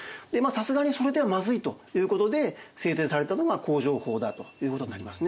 さすがにそれではまずいということで制定されたのが工場法だということになりますね。